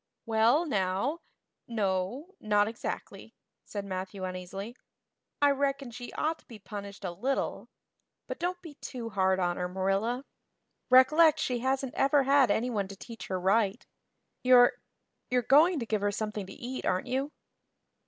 "Well now no not exactly," said Matthew uneasily. "I reckon she ought to be punished a little. But don't be too hard on her, Marilla. Recollect she hasn't ever had anyone to teach her right. You're you're going to give her something to eat, aren't you?"